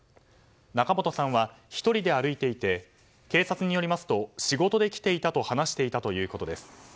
仲本さんは、１人で歩いていて警察によりますと仕事で来ていたと話していたということです。